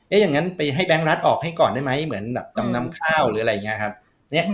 อย่างนั้นไปให้แบงค์รัฐออกให้ก่อนได้ไหมเหมือนแบบจำนำข้าวหรืออะไรอย่างนี้ครับ